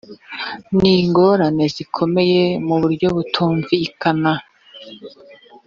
n ingorane zikomeye mu buryo butumvikana